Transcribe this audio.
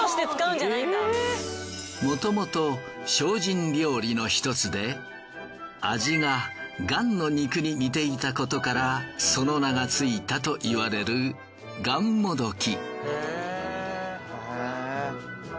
もともと精進料理のひとつで味ががんの肉に似ていたことからその名がついたといわれるがんもどき。